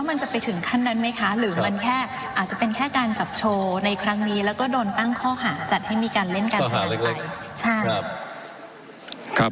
ว่าการกระทรวงบาทไทยนะครับ